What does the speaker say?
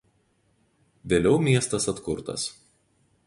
Vėliau miestas atkurtas.